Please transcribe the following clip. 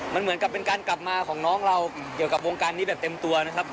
มันเหมือนกับเป็นการกลับมาของน้องเราเกี่ยวกับวงการนี้แบบเต็มตัวนะครับ